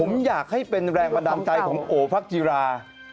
ผมอยากให้เป็นแรงพันธ์ดำใจของโอภักษณ์ฯจีรา